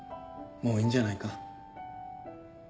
もういいんじゃないか？